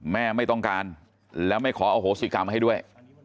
ไม่ต้องการแล้วไม่ขออโหสิกรรมให้ด้วย